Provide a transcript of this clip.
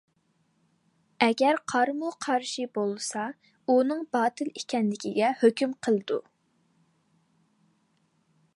ئەگەر، قارىمۇ قارشى بولسا، ئۇنىڭ باتىل ئىكەنلىكىگە ھۆكۈم قىلىدۇ.